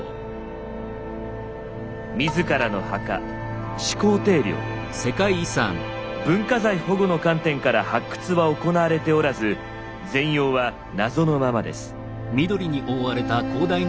自らの墓文化財保護の観点から発掘は行われておらず全容は謎のままです。